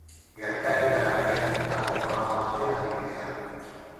Gertaeretara bideratutako programa baten adibidea.